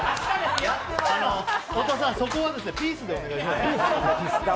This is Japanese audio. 太田さん、そこはピースでお願いします。